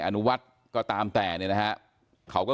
ไม่ได้ส่งของให้เขานานหรือยังคะ